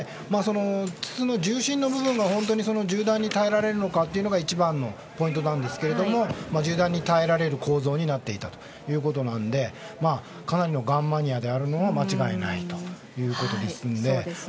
筒の重心の部分が銃弾に耐えられるのかが一番のポイントなんですが銃弾に耐えられる構造になっていたということなのでかなりのガンマニアであるのは間違いないということですので。